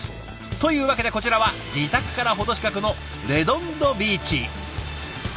というわけでこちらは自宅からほど近くのレドンドビーチ。